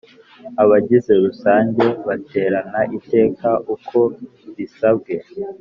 Abagize rusange Baterana iteka uko bisabwe